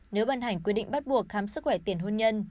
nếu ban hành quy định bắt buộc khám sức khỏe tiền hôn nhân